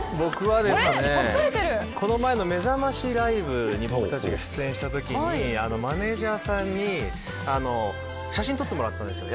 僕は、この前のめざましライブに僕たちが出演したときにマネジャーさんに写真を撮ってもらったんですよ。